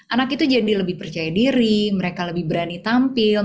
anak itu jadi lebih percaya diri mereka lebih berani tampil